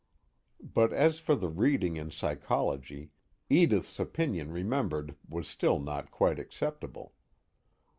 But as for the reading in psychology, Edith's opinion remembered was still not quite acceptable.